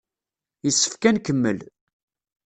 Yessefk ad nkemmel.